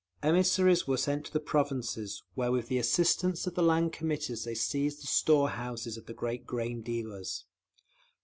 Emissaries were sent to the provinces, where with the assistance of the Land Committees they seized the store houses of the great grain dealers.